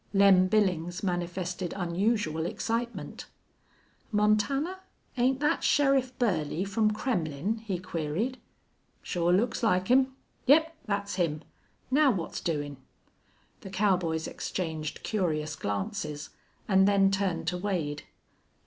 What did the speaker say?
Lem Billings manifested unusual excitement. "Montana, ain't thet Sheriff Burley from Kremmlin'?" he queried. "Shore looks like him.... Yep, thet's him. Now, what's doin'?" The cowboys exchanged curious glances, and then turned to Wade.